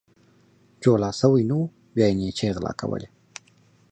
جولا سوى نه وو ، بيا يې نيچې غلا کولې.